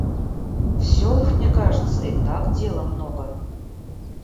В селах, мне кажется, и так дела много.